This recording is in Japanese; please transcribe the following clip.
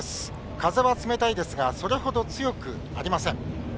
風は冷たいですがそれほど強くありません。